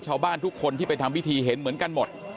ชาวบ้านทุกคนที่ไปทำพิธีเห็นเหมือนกันหมด